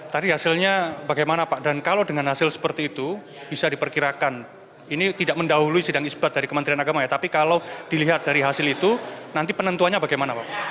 tadi hasilnya bagaimana pak dan kalau dengan hasil seperti itu bisa diperkirakan ini tidak mendahului sidang isbat dari kementerian agama ya tapi kalau dilihat dari hasil itu nanti penentuannya bagaimana pak